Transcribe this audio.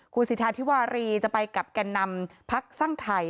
คุณสิทธาธิวารีจะไปกับแก่นำพักสร้างไทย